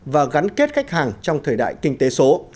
và gắn kết khách hàng trong thời đại kinh tế số